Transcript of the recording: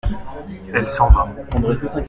Elle s’en va.